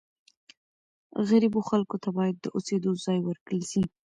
غریبو خلکو ته باید د اوسېدو ځای ورکړل سي.